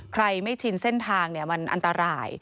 ใครไม่ชินเส้นทางมันอันตราย